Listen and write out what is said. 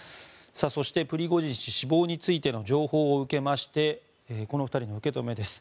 そしてプリゴジン氏死亡についての情報を受けましてこの２人の受け止めです。